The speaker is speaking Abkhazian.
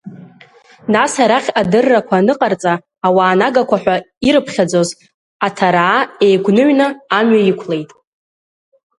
Нас арахь адыррақәа аныҟарҵа, ауаа нагақәа ҳәа ирыԥхьаӡоз аҭараа еигәныҩны амҩа иқәлеит.